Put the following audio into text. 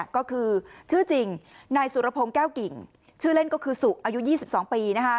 ก็คือชื่อจริงนายสุรพงศ์แก้วกิ่งชื่อเล่นก็คือสุอายุ๒๒ปี